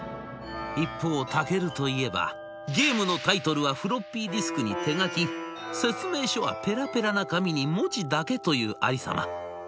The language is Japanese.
一方ＴＡＫＥＲＵといえばゲームのタイトルはフロッピーディスクに説明書はペラペラな紙に文字だけというありさま。